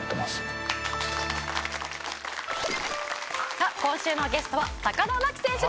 さあ今週のゲストは田真希選手です。